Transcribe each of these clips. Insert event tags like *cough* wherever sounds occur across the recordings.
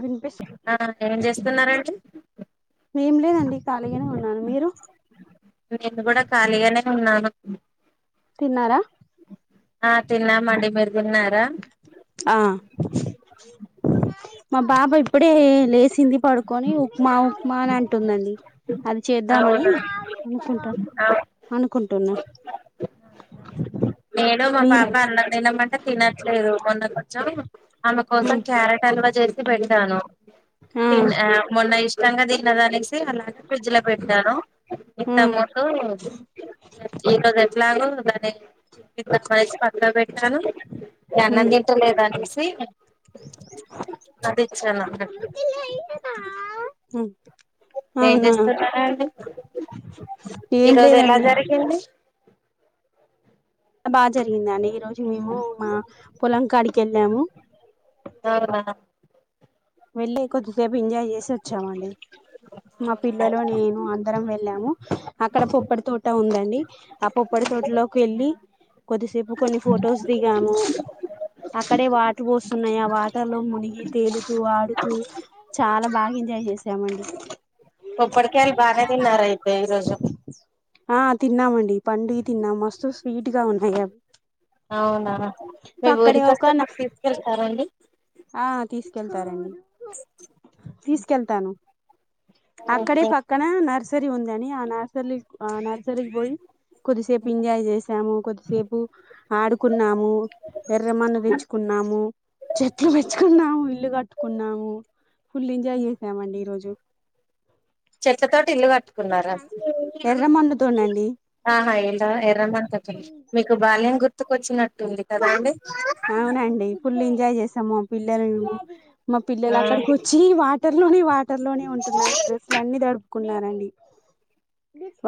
వినిపిస్తు ఆ ఏం జేస్తున్నారండి ఏం లేదండి ఖాళీగానే ఉన్నాను మీరు నేను గూడా ఖాళిగనే ఉన్నాను తిన్నారా ఆ తిన్నామండి మీరు దిన్నారా ఆ మా బాబా ఇప్పుడే లేసింది పడుకొని ఉప్మా ఉప్మా అని అంటుందండి అది చేద్దామని అవునా అనుకుంటా అనుకుంటున్న నేను మా పాప అన్నం తినమంటే తినట్లేదు కొ చెం ఆమె కోసం క్యారెట్ అల్వా చేసి పెట్టాను ఆ తీన మొన్న ఇష్టంగా తిన్నదనేసి అలాగ ఫ్రిడ్జ్ లో పెట్టాను ఇంతముందు *unintelligible* లాగో గాని కింద *unintelligible* పండబె అన్నం తింట లేదు అనేసి అదిచ్చాను అన్నట్టు హు ఏం చేస్తుటడండి ఏం ఈరోజు ఎలా లేదండి జరిగింది బా జరిగిందండి ఈ రోజు మేము మా పొలం కాడికి ఎళ్ళాము ఆ ఆ వెళ్ళీ కొద్దిసేపు ఎంజాయ్ జేసొచ్చామండి మా అవునా పిల్లలు నేను అందరం వెళ్ళాము అక్కడ పొప్పడి తోట ఉందండి ఆ పొప్పడి తోటలోకు ఎళ్ళి కొద్దిసేపు కొన్ని ఫొటోస్ దిగాము అక్కడే వాటర్ పోస్తున్నాయి ఆ వాటర్ లో మునిగి తేలి ఇవాడుతూ చాలా బాగా ఎంజాయ్ జేసామండి పొప్పడి కాయల్ బానే తిన్నారు అయితే ఈరోజు ఆ తిన్నామండి పండువి తిన్నా మస్తు స్వీట్ గా ఉన్నాయవ్ అవునా మీ ఊరికి ఒస్తే ఒక మాకు తీసుకెళ్తారా అండి ఆ తీసుకెళ్తాను అక్కడే పక్కన నర్స్ ది ఉందిని ఆ నర్సలి నర్సరిగ్ బోయి కొద్దిసేపు ఎంజాయ్ చేసాము, కొద్దిసేపు ఆడుకున్నాము, ఎర్రమాన్న తెచ్చుకున్నా. నాము చెట్లు వెచ్చకున్నాము ఇల్లు కట్టుకున్నాము ఫుల్ ఎంజాయ్ చేసామండి ఈ రోజు చెట్లతోటి ఇల్లు కట్టుకున్నారా ఎర్రమన్నుతోనండి ఆహ ఎల్ల ఎర్రమంటితొడ్ మీకు బాల్యం గుర్తుకొచ్చిన అవునండి ఫుల్ ఎంజాయ్ జేసాము పిల్లలు మా పిల్లలు ఆ అక్కడికొచ్చి వాటర్ లోనే వా టర్ లోనే ఉంటున్నారు డ్రెస్సులు అన్ని తడుపుకున్నారండి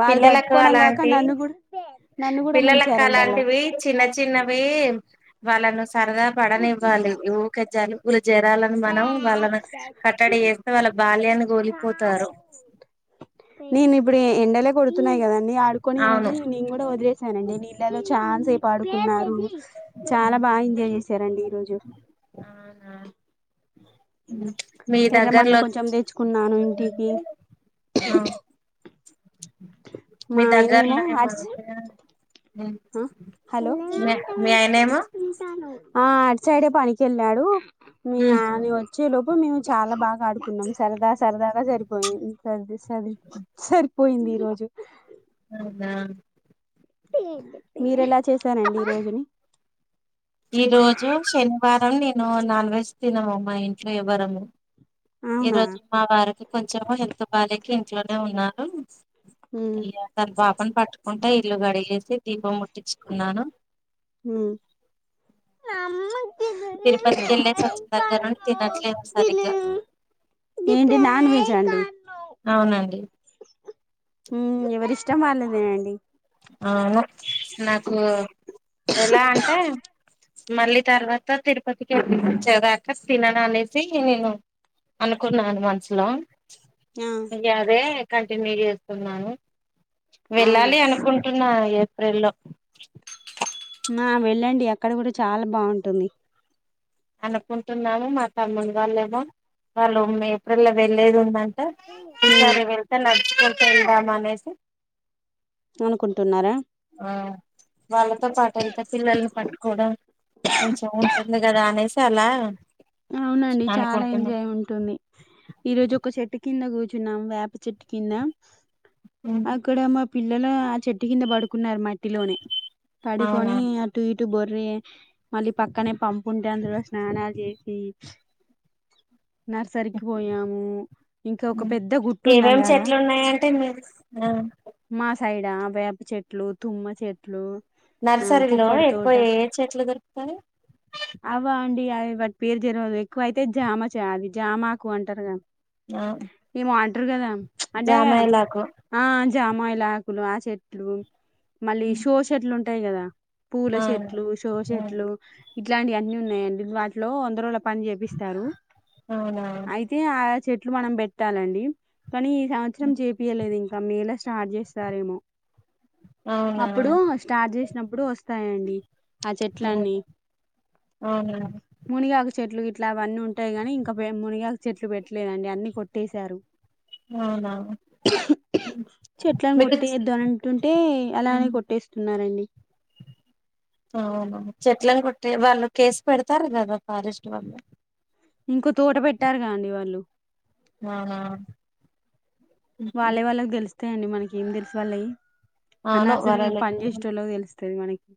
వాళ్ళు పిల్లలకు తడుపుకోవడం కాక అలాంటి నన్ను కూడా నన్ను కూడా పిల్లలకు ముంచారండి అలా అలాంటివి చిన్న చిన్న అవీ వాళ్ళను సరదా పడనివ్వాలి, ఊకే జాలుబు జరాలని మనం వాళ్ళను కట్టడి చేస్తే వాళ్ళ. బాల్యాన్ని గోలిపోతారు నేను ఇప్పుడు ఎండల కొడుతున్నాయి గద అండి ఆడుకొని అవును అని నేను గూడా వదిలేసానండి నీళ్ళలో ఛాన్సేపు ఆడుకున్నారు చాల బా ఎంజాయ్ చేసారండి ఈరోజు అవునా మీ ఎర్రమన్ను దగ్గర్లో కొంచెం దెచ్చుకున్నాను ఇంటికి అ మా ఆయనేమో ఆ *inaudible* ఏమంటే ఆ హలో మీ ఆయనేమో ఆ అటు సైడే పనికెళ్ళాడు మీ ఆయని వచ్చే లోపు మేము చాలా బాగా ఆడుకున్నాం సరదా సరదాగా సరిపోయింది సరి సరి సరి పోయింది ఈరోజు మ్మ్ హ్మ్ మీరు ఎలా చేసారండి ఈ రోజుని ఈ రోజు శనివారం నేను నాన్ వెజ్ తినము మా ఇంట్లో ఎవ్వరము ఈ అవునా రోజు మా వారికి కొంచెం హెల్త్ బాలేక ఇంట్లోనే ఉన్నారు ఉమ్ తను పాపని పట్టుకుంటే ఇల్లు కడిగేసి దీపం ముట్ ట్టించుకున్నాను ఉమ్ తిరుపతికి వెళ్ళేసొచ్చిన దగ్గర నుంచి తినట్లేదు సరిగ్గా ఏమి నాన్ వెజ్జా అండి అవునండి ఇష్టమా అన్ని తినేయండి అవును నాకు ఎలా అంటే మళ్ళీ తర్వాత తిరుపతికి *inaudible* వచ్చేదాక తినను అనేసి అనుకున్నాను మనుసులో ఆ ఇక అదే కంటిన్యూ చేస్తున్నాను అవునా వెళ్ళాలి అనుకుం టున్న ఏప్రిల్ లో ఆ వెళ్ళండి అక్కడ కూడా చాలా బాగుంటుంది అనుకుంటున్నాము మా తమ్ముని వాళ్ళేమో వాళ్ళు ఏప్రిల్ లో వెళ్లేది ఉంద ఉమ్ ఈసారి వెళ్తే నడుచుకుంట వెళ్దాం అనేసి అనుకుంటున్నారా ఆ వాళ్ళతో పాటు వెళ్తే పిల్లల్ని పట్టుకోవడం కొంచెం ఉంటుంది కదా అనేసి అలా అవునండి చాలా అనుకుంటున్నా ఎంజాయ్ ఉంటుంది ఈరోజు ఒక చెట్టు కింద కూర్ చున్నాం వేప చెట్టు కింద అక్కడ మా పిల్లలు ఆ చెట్టు కింద పడుకున్నారు మట్టిలోనే అవునా పడుకొని అటు ఇటు బొర్ర్రి మళ్ళీ పక్కనే పంపు ఉంటే అందులో స్నానాలు చే సి నర్సరీకి పోయాము ఇంకా ఒక పెద్ద గుట్టు ఉందండి ఏమేమి అడా చెట్లు ఉన్నాయంటే మీరు మా సైడా వేప చెట్లు, తుమ్మ చెట్లు ఆ నర్సరీలో పుప్పడి ఎక్కువ తోట ఏ చెట్లు దొరుకుతాయి అవ అండి వాట్ పేరు తెల్వదు ఎక్కువ అయితే జామ చేయాలి జామాకు అంటారు కదా ఆ అంటారు కదా అంటే జామయలాకు ఆ జామా ఇలా ఆకులు ఆ చెట్లు మళ్ళీ షో చెట్లు ఉంటాయి కదా పూల ఆ చెట్లు, షో ఆ చెట్లు ఇట్లాంటివి అన్ని ఉన్నాయండి వాటిలో అందులో పని చేపిస్తారు అవునా అయితే ఆ చెట్లు మనం పెట్టాలండి కానీ ఈ సంవత్సరం జేపీయలేదు ఇంకా మే లో స్టార్ట్ చేస్తారేమో అవునా అప్పుడు స్టార్ట్ చేసినప్పుడు వస్తాయండి ఆ చెట్లన్ని ఆహా మునిగాక చెట్లు ఇట్లా అవన్నీ ఉంటాయి గాని ఇంకా మునిగాక చెట్లు పెట్టలేదండి అన్ని కొట్టేశారు అవునా చెట్లను మీకు కొట్టేయొద్దు అనంటుంటే అలానే కొట్టేస్తున్నారండి *unintelligible* అవును చెట్లను కొట్టే వాళ్ళు కేసు పెడతారు కదా ఫారెస్ట్ వాళ్ల్ళు ఇంకో తోట పెట్టారు కదండి వాళ్ళు ఆహా వాళ్ళే వాళ్ళకి తెలుస్తాయండి మనకి ఏం తెలుసు వాళ్ళవి ఆ అవును నర్సరీ లో వరలు పని చేసేటోళ్ళకి తెలుస్తా మనకి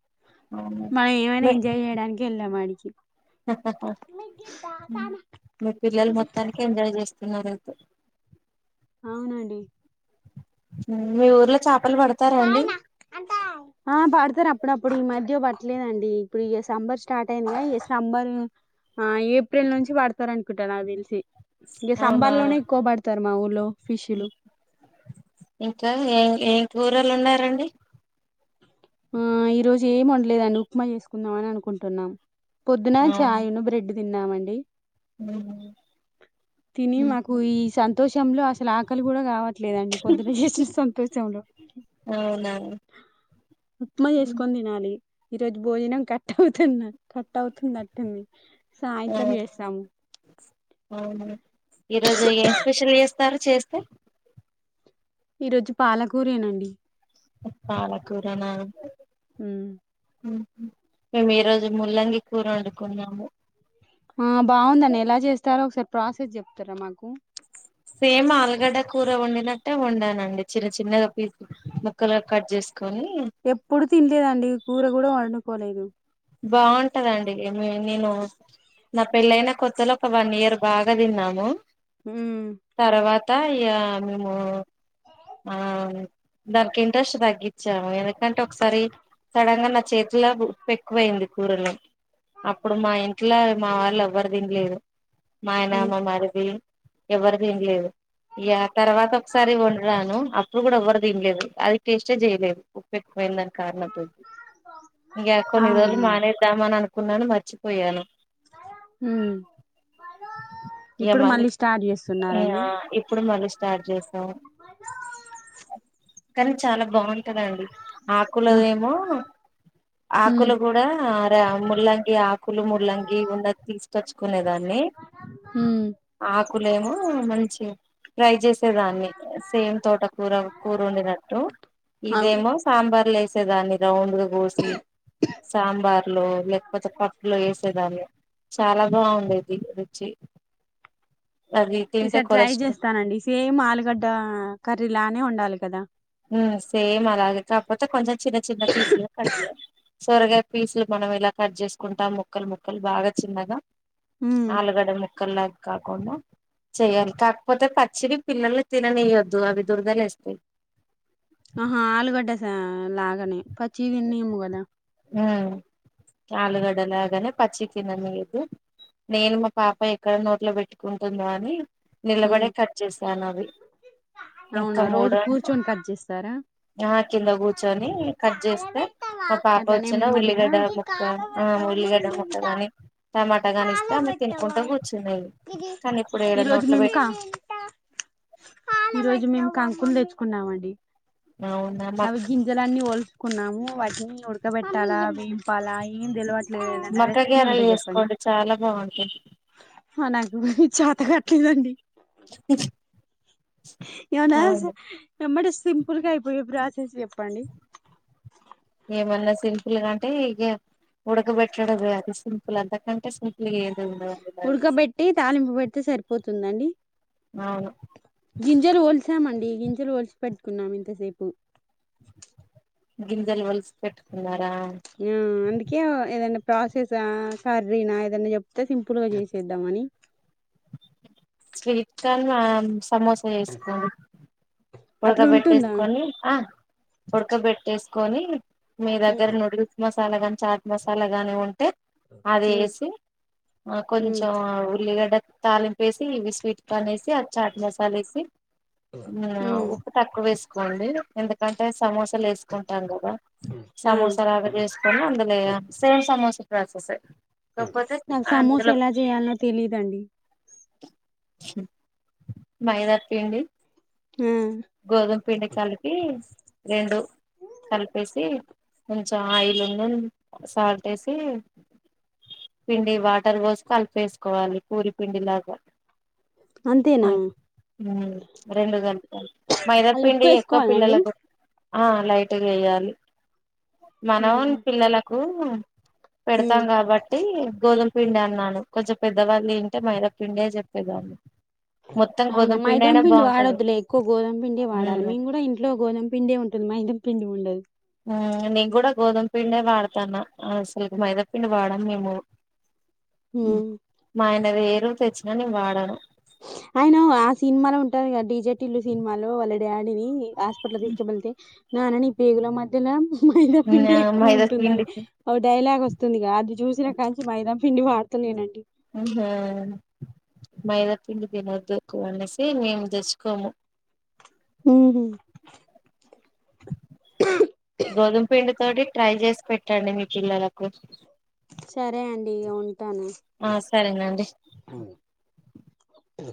అవును మనం ఏమైనా ఎంజాయ్ చేయడానికి వెళ్ళామ వాడికి హహ మీ పిల్లలు మొత్తానికి ఎంజాయ్ చేస్త నీరేదైతే అవునండి మీ ఊర్లో చాలా హాయ్ అన్న పడతారు అప్పుడప్పుడు ఈ మధ్య పడుత లేదండి ఇప్పుడు ఇక సంబర్ స్టార్ట్ అయింది సంబర్ ఆ ఏప్రిల్ నుంచి పడతారు అనుకుంటా నా తెలిసి ఇంక అవునా సంబార్ లోనే ఎక్కువ పడతారు మా ఊళ్ళో ఇంకా ఏం ఏం కూరలు ఉన్నారండి ఆ ఈ రోజు ఏమి ఉండలేదండి ఉప్మా చేసుకుందాం అని అనుకుంటున్నాం పొద్దున చాయ్ బ్రెడ్ తిన్నామండి ఉ తిని మాకు ఈ సంతోషంలో అసలు ఆకలి కూడా కావట్లేదండి పొద్దున చేసిన సంతోషంలో అవునాఅవును ఉప్మా చేసుకొని తినాలి ఈ రోజు భోజనం కట్ట అవుతుంది కట్ట అవుతుంది అట్టుంది ఆ సాయంత్రం వేసిన ఈ రోజు ఏం స్పెషల్ చేస్తారు చేస్తే ఈరోజు పాలకూరేనండి పాలకూరన హ్మ్. మేము ఈ రోజు ముల్లంగి కూర వండుకున్నాము ఆ బాగుందండి ఎలా చేస్తారో ఒకసారి ప్రాసెస్ చెప్తారా మాకు సేమ్ ఆలుగడ్డ కూర వండినట్టే వంనండి చిన్న చిన్నగా పీస్ ముక్కలు కట్ చేసి ఎప్పుడు తినలేదండి కూర కూడా వండుకోలేదు బాగుంటద అండి మీ నేను నా పెళ్ళయిన కొత్తలో ఒక వన్ ఇయర్ బాగా తిన్నాము హ అత్త ఇ మేము ఆ దానికి ఇంట్రెస్ట్ తగ్గించాము ఎందుకంటే ఒకసారి సడన్ గా నా చేతిలో పె తక్కువయింది కూరలు అప్పుడు మా ఇంట్లో మా వాళ్ళు ఎవ్వరు తినలేదు మాయన ఉమ్ అమ్మ మారిది ఎవ్వరిది ఏం లేదు తర్వాత ఒకసారి వంరాను ప్పుడు కూడా ఎవ్వరు తంలేదు అది టేస్టే చేయలేదు ఉపోగమయిన దాని కారణంతోది కొన్ని రోజులు అవునా మానేద్దామ అని అనుకున్నాను మర్చిపోయాను హ ఇక మళీ చేస్తున్నారండి ఇప్పుడు మళ్ళీ స్టార్ట్ చేసాం కానీ చాలా బాగుంటుందండి ఆ ఆకులద ఏమో ఉమ్ ఆకులు కూడాే ముల్లంగి ఆకులు ముల్లంగి ఉన్నది తీసుకొచ్చుకునే దాన్ని ఉమ్ ఆకులేమో మంచి ట్రై చేసేదాన్ని సేమ్ తోట కూర కూర ఉంనట్టు అవును ఇదేమో సాంబ బర్లైస దాని రౌండ్ ద కూసి సాంబార్లు లేకపోతే పప్పులు వేసేదాన్ని చాలా బాగుండేది చె ఈసారి ట్రై చేస్తానండి సేమ్ ఆలుగడ్డ కర్రీ లానే ఉండాలి కదా సేమ్ అలాగతే అపోతే కొంచెం చిన్న చిన్న పీస్లు కట్టలే సొరగా పీసులు మనం ఇలా కట్ చేసుకుంటాం ముక్కలు ముక్కలు బాగా చిన్నగా ఉమ్ ఆలుగడ ముక్కల్గ కాకుడా చెయాలి కాకపోతే పచ్చిడి పిల్లల్ని తిననియద్దు అవి దురదలే వేస్తాయి ఆహా ఆలుగడ్డే స లాగానే పచ్చిదినిన్ని ముగదా హ ఆలుగడల అగనే పచ్చకి ననిగదు నేను మా పాప ఎక్కడ నోట్లో పెట్టుకుంటుందో అని నిలబడే ఉమ్ కట్ చేసాను అవి ఇంకా అవునా మూడ రోజు కూర్చొని కట్ చేస్తారా ఆ కింద కూర్చొని కట్ చేస్తే మా పాప అట్లా వచ్చిన నెమ్మదిగా ఉల్లిగడ్డ ముక్క ఆ ఉల్లిగడ్డ ముక్క గాని టమాటా గాని ఇస్తే ఆమె తినుకుంటా కూర్చునేది కానీ ఇప్పుడు ఏడ నోట్లు పెట్ ఈరోజు మేము కాంకులం తెచ్చుకున్నామండి అవునా అవి మక్క గింజలన్ని వలిసి కున్నాము వాటిని ఉడకబెట్టాలా అవిపాలాయి ఏం తెలవట్లేదుఏదన్న మక్క రెసిపీ గారెలు ఉంటే చెప్పండి చేసుకోండి చాలా బాగుంటాయి హా నాకేమి చేత కటలేదండి ఎవనా స్. అవును ఎమ్మటె సింపుల్గా అయిపోయే ప్రోసెస్ చెప్పండి ఏమన్నా సింపుల్ గా అంటే ఇక ఉడకబెట్టడమె అది సింపుల్ అంతకంటే సింపుల్ గా ఏది ఉండదండి నాది ఉడకబెట్టి తాలింపు పెడితే సరిపోతుందండి అవును గింజలు వొల్సామండి గింజలు వొల్సి పెట్టు కున్నాం ఇంతసేపు గింజలు వొలిస్ పెట్టుకున్నా ఆ ఎందుకే ఏదన్నా ప్రాసెసా కర్రీనా ఏదన్నా చెప్తే సింపుల్ గా చేసేద్దంఅని స్వీట్ కార్న్ మేమ్ సమోసా చేసుకో అట్లా ఉంటుందా ఉుడకబెట్టే‌సుకోని ఆ ఉుడకబెట్టేసుక కోని మీ ఉమ్ దగ్గర నూడిల్స్ మసాలా గాని చాట్ మసాలా గాని ఉంటే అది ఉమ్ ఏసి ఆ ఉమ్ కొంచెం ఉల్లిగడ్డ తాలింపు వేసి ఇవి స్వీట్ కార్న్ వేసి అది చాట్ మసాల వేసి ఆ ఉమ్ ఉప్పు తక్కువ వేస కోండి ఎందుకంటే సమోస వేసుకుంటాం కదా ఆ సమోస లాగా చేసుకొని అందులో సేమ్ సమోసా స కాకపోతే నాకు సమోసా అందులో ఎలా చేయాలనో తెలీదండి మైదాపిండి ఆ గోధుమ పిండ కలికి రెండు కలిపేసి కొంచెం ఆయిలు ను సాల్ట్ వేసి పిండి వాటర్ పోసిక కలిపేసుకోవాలి పూరి పిండిలాగా ఆ అంతేనా అం మ్ రెండు గంటలు అలా ఉప్పు మైదాపిండి ఎక్కువ వేసుకోవాలండి పిల్లలకు ఆ లైట్గా వేయాలి మనం ఉమ్ పిల్లలకూ ఉమ్, పెడతాం కాబట్టి గోధుం పిండి అన్నాను కొంచెం పెద్దవాళ్ళు తింటే మైద పిండే చెప్పేదాన్ని ఒత్తు అవునా మైదాం పిండి వాడొదులే ఎక్కువ గోధుమ పిండే వాడాలి ఉమ్ మేము కూడా ఇంట్లో గోధుమ పిండే ఉంటుంది మైదం పిండి ఉండదు నేను కూడా గోధుమ పిండే వాడతానా అసలుకు మైదాపిండి వాడాము మేము ఉమ్ మా ఆయన వేయరు తెచ్చినా నేను వాడాను ఆయన ఆ సినిమాలో ఉంటారు కదా డీజే టి ల్లు సినిమాలో వాళ్ళ డాడీని హాస్పిటల్ తీసుకువెళ్తే నాన్నని ఈ పేగుల మధ్యలో మైదా పిండే ఎక్కువ మైదా ఉంటుందని పిండికి ఒక డైలాగ్ వస్తుంది వస్తుందిగా అది చూసినా కాంచి మైదాం పిండి వాడ్తలేనండి ఇహ మైదా తిండి తినొద్దు ఎక్కువ అనేసి మేము తెచ్చుకోము ఉహూమ్ గోధుమ పండి తోటి ట్రై చేసి పెట్టండి మీ పిల్లలకు సరే అండి ఇగ ఉం ఆ సరేనండి అ